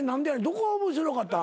どこが面白かったん？